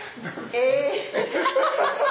え！